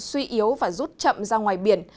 suy yếu và rút chậm ra ngoài biển